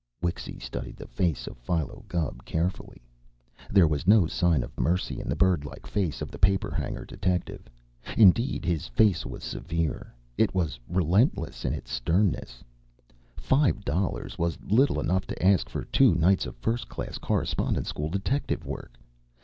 Wixy studied the face of Philo Gubb carefully. There was no sign of mercy in the bird like face of the paper hanger detective. Indeed, his face was severe. It was relentless in its sternness. Five dollars was little enough to ask for two nights of first class Correspondence School detective work.